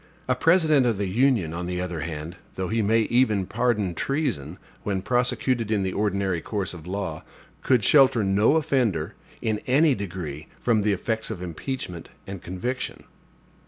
A President of the Union, on the other hand, though he may even pardon treason, when prosecuted in the ordinary course of law, could shelter no offender, in any degree, from the effects of impeachment and conviction.